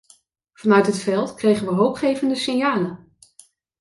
Vanuit het veld kregen we hoopgevende signalen.